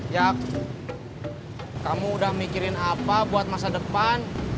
yak kamu udah mikirin apa buat masa depan